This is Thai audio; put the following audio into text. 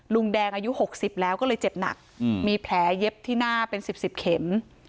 ลุงแดงอายุ๖๐แล้วก็เลยเจ็บหนักมีแผลเย็บที่หน้าเป็น๑๐เข็ม